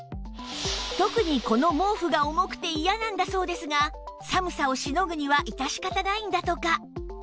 特にこの毛布が重くて嫌なんだそうですが寒さをしのぐには致し方ないんだとか